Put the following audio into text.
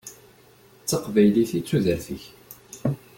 D taqbaylit i d tudert-ik.